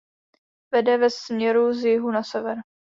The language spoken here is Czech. Vede ve směru z jihu na sever.